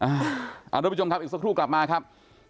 อันนี้คุณผู้ชมครับอีกสักครู่กลับมาครับ